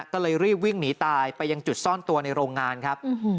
ก็เลยรีบวิ่งหนีตายไปยังจุดซ่อนตัวในโรงงานครับ